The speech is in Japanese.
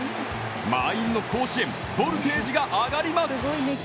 満員の甲子園、ボルテージが上がります。